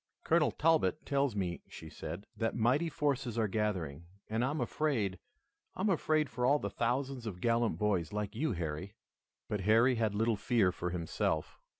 "Colonel Talbot tells me," she said, "that mighty forces are gathering, and I am afraid, I am afraid for all the thousands of gallant boys like you, Harry." But Harry had little fear for himself.